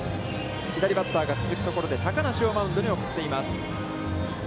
左バッターが続くところで、高梨をマウンドに送っています。